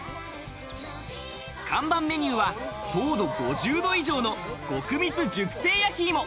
看板メニューは糖度５０度以上の極蜜熟成やきいも。